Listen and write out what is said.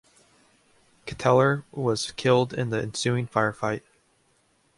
Ketteler was killed in the ensuing firefight.